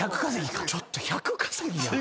ちょっと１００稼ぎやん。